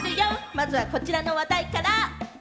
まずはこちらの話題から。